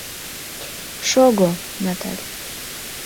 Шого, Наталь.